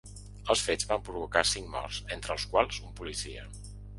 Els fets van provocar cinc morts, entre els quals un policia.